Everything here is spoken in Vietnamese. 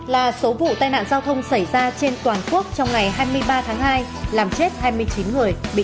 ba mươi là số vụ tai nạn giao thông xảy ra trên toàn quốc trong ngày hai mươi ba tháng hai làm chết hai mươi chín người bị thương một mươi tám người